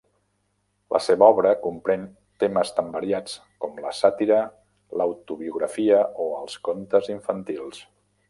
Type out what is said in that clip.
La seva obra comprèn temes tan variats com la sàtira, l'autobiografia o els contes infantils.